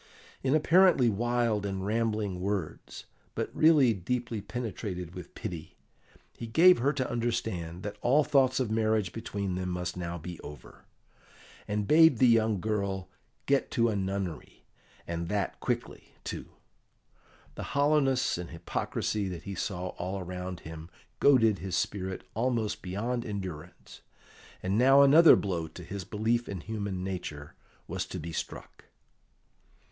In apparently wild and rambling words, but really deeply penetrated with pity, he gave her to understand that all thoughts of marriage between them must now be over, and bade the young girl get to a nunnery, and that quickly, too. The hollowness and hypocrisy that he saw all around him goaded his spirit almost beyond endurance, and now another blow to his belief in human nature was to be struck.